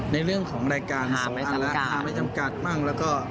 ในเรื่องของรายการ๒อันแล้วภาพไม่จำกัดบ้างแล้วก็